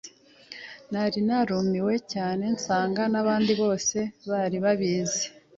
Nari narumiwe cyane nsanga abandi bose bari babizi.